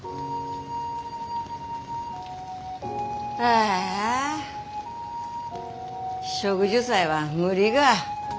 ああ植樹祭は無理が。